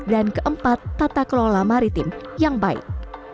dan keempat tata kelola maritim yang baik